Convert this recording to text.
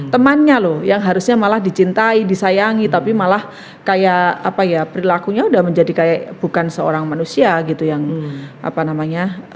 temannya loh yang harusnya malah dicintai disayangi tapi malah kayak apa ya perilakunya udah menjadi kayak bukan seorang manusia gitu yang apa namanya